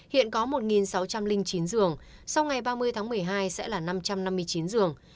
hiện có một sáu trăm linh chín giường sau ngày ba mươi tháng một mươi hai sẽ là năm trăm năm mươi chín giường